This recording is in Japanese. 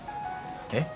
えっ？